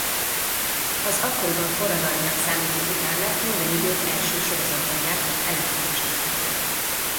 Az akkoriban forradalminak számító gitár lett minden idők első sorozatban gyártott elektromos gitárja.